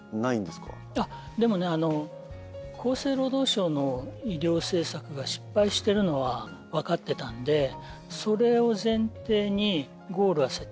でもね厚生労働省の医療政策が失敗してるのは分かってたんでそれを前提にゴールは設定できたんですよ。